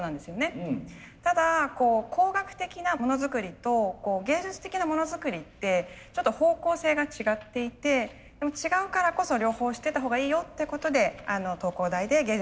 ただ工学的なものづくりと芸術的なものづくりってちょっと方向性が違っていてでも違うからこそ両方知ってたほうがいいよってことで東工大で芸術の授業を教えています。